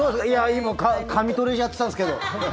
今、噛みトレやってたんですけど。